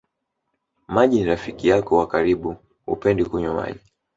Maji ni rafiki yako wa karibu hupendi kunywa maji